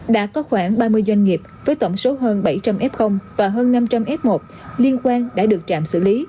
đã có khoảng ba mươi doanh nghiệp với tổng số hơn bảy trăm linh f và hơn năm trăm linh f một liên quan đã được trạm xử lý